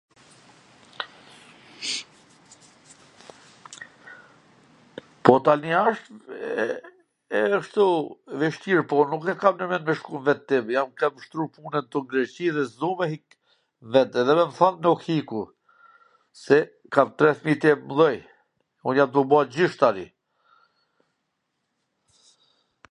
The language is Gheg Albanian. Po tani asht ashtu e veshtir, po un nuk e kam ndwrmend me shku n ven tim, kam shtru punwn ktu n Greqi edhe s du me hik vet, edhe me m than nuk hik un, se kam tre fmijt e mdhej, un jam tu u ba gjysh tani...